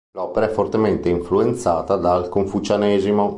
L'opera è fortemente influenzata dal Confucianesimo.